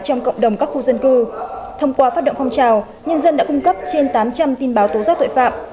trong cộng đồng các khu dân cư thông qua phát động phong trào nhân dân đã cung cấp trên tám trăm linh tin báo tố giác tội phạm